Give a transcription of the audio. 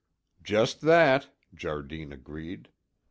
"Just that!" Jardine agreed.